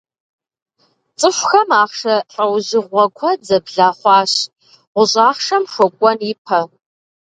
Цӏыхухэм «ахъшэ» лӏэужьыгъуэ куэд зэблахъуащ гъущӏ ахъшэм хуэкӏуэн ипэ.